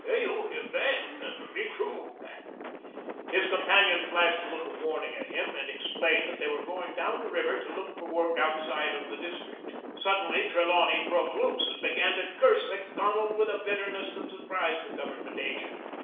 "You bet. Me too." His companion flashed a look of warning at him and explained that they were going down the river to look for work outside of the district. Suddenly Trelawney broke loose and began to curse Macdonald with a bitterness that surprised the Government agent.